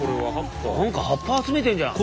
何か葉っぱ集めてんじゃん。